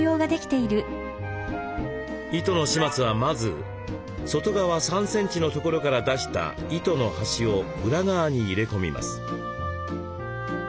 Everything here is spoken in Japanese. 糸の始末はまず外側３センチのところから出した糸の端を裏側に入れ込みます。